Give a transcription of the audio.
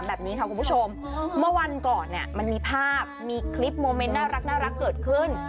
แบบนี้ค่ะคุณผู้ชมเมื่อวันก่อนเนี่ยมันมีภาพมีคลิปโมเมนต์น่ารักเกิดขึ้น